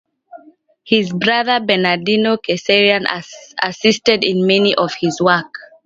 His brother Bernardino Cesari assisted in many of his works.